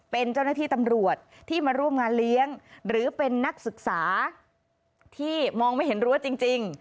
เป็นเจ้าหน้าที่ตำรวจที่มาร่วมงานเลี้ยงหรือเป็นนักศึกษาที่มองไม่เห็นรั้วจริง